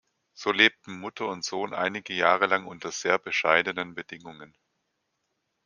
So lebten Mutter und Sohn einige Jahre lang unter sehr bescheidenen Bedingungen.